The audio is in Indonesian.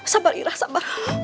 sabar irah sabar